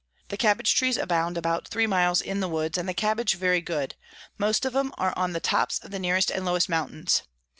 The Cabbage Trees abound about three miles in the Woods, and the Cabbage very good; most of 'em are on the tops of the nearest and lowest Mountains.